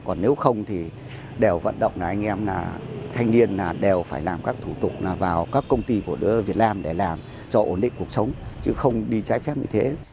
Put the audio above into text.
còn nếu không thì đều vận động là anh em là thanh niên đều phải làm các thủ tục là vào các công ty của việt nam để làm cho ổn định cuộc sống chứ không đi trái phép như thế